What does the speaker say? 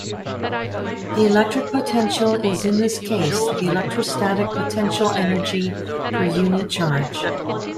The electric potential is in this case the electrostatic potential energy per unit charge.